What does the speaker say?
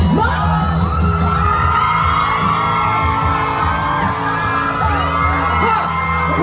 ลัก